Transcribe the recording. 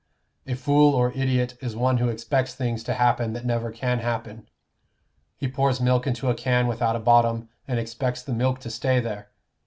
A fool or idiot is one who expects things to happen that never can happen; he pours milk into a can without a bottom, and expects the milk to stay there.